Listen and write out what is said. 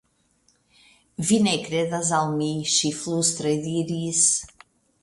Vi ne kredas al mi, ŝi flustre diris.